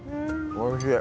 おいしい。